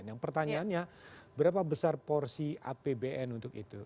yang pertanyaannya berapa besar porsi apbn untuk itu